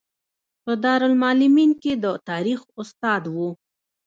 په دارالمعلمین کې د تاریخ استاد و.